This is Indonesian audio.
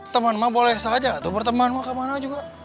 teman mah boleh saja atau berteman mah kemana juga